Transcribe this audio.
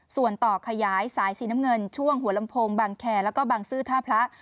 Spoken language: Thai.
ส่วนต่อขยายสายสีน้ำเงินช่วงหัวลำโพงบางแคร์แล้วก็บางซื่อท่าพระ